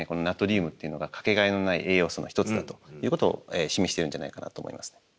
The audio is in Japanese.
ナトリウムというのがかけがえのない栄養素の一つだということを示してるんじゃないかなと思います。